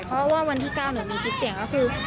เพราะว่าวันที่๙หนูมีคลิปเสียงก็คือ